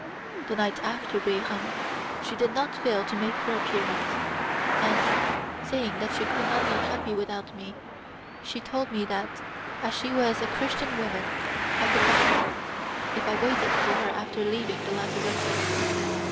The night after Bairam, she did not fail to make her appearance, and, saying that she could not be happy without me, she told me that, as she was a Christian woman, I could buy her, if I waited for her after leaving the lazzaretto.